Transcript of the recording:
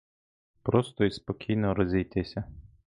Просто й спокійно розійтися!